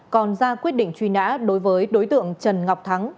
còn ra quyết định truy nã đối với đối tượng trần ngọc thắng